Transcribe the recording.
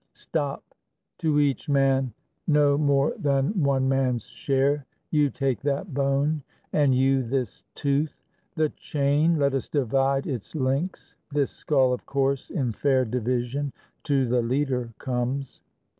Stop! to each man no more than one man's share. You take that bone, and you this tooth; the chain Let us divide its links; this skull, of course, In fair division, to the leader comes.